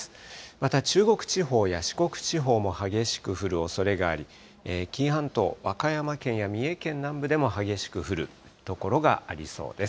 また中国地方や四国地方も激しく降るおそれがあり、紀伊半島、和歌山県や三重県南部でも激しく降る所がありそうです。